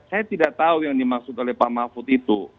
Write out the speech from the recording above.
saya tidak tahu yang dimaksud oleh pak mahfud itu